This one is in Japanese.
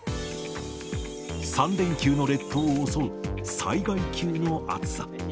３連休の列島を襲う、災害級の暑さ。